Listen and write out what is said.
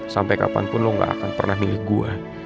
sampe kapanpun lo gak akan pernah milik gue